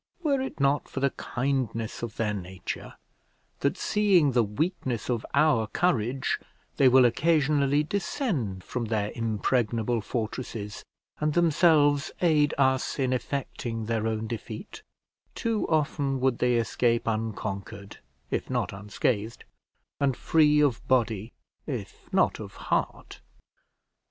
Were it not for the kindness of their nature, that seeing the weakness of our courage they will occasionally descend from their impregnable fortresses, and themselves aid us in effecting their own defeat, too often would they escape unconquered if not unscathed, and free of body if not of heart.